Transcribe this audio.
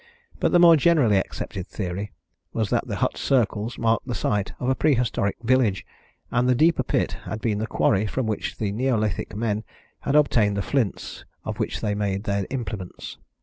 But the more generally accepted theory was that the hut circles marked the site of a prehistoric village, and the deeper pit had been the quarry from which the Neolithic men had obtained the flints of which they made their implements.